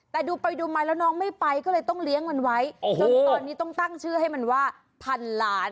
แต่ดูไปดูมาแล้วน้องไม่ไปก็เลยต้องเลี้ยงมันไว้จนตอนนี้ต้องตั้งชื่อให้มันว่าพันล้าน